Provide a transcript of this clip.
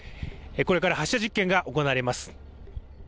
これから発射実験が行われます。